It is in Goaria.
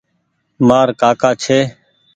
مآر ڪآڪآ ڇي۔